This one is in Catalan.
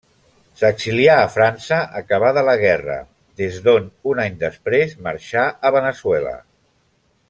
S'exilià a França acabada la guerra, des d'on un any després marxà a Veneçuela.